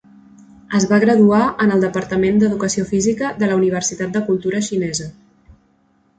Es va graduar en el departament d'educació física de la Universitat de Cultura Xinesa.